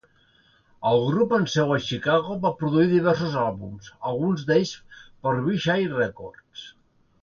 El grup amb seu a Chicago va produir diversos àlbums, alguns d"ells per Vee-Jay Records.